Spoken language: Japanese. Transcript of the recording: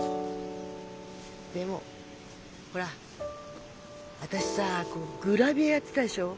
でもほら私さグラビアやってたでしょ。